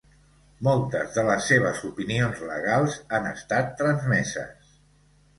Moltes de les seves opinions legals han estat transmeses.